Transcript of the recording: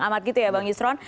amat gitu ya bang isron